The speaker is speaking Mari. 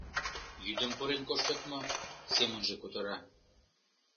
Йӱдым пурен коштыт мо?» семынже кутыра.